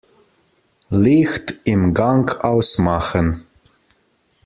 Licht im Gang ausmachen.